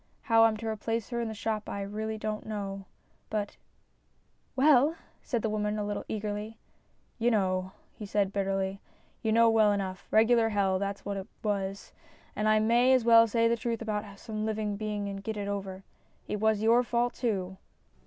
How I'm to replace her in the shop I really don't know. But "" Well," said the woman a little eagerly. " You know," he said bitterly, " you know well enough. Regular hell, that's what it was, and I may as well say the truth about it to some living being and get it over. It was your fault too."